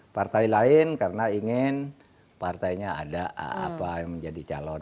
partai lain karena ingin partainya ada apa yang menjadi calon